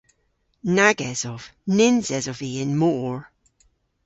Nag esov. Nyns esov vy y'n mor.